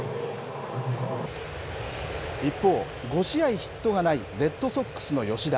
一方、５試合ヒットがないレッドソックスの吉田。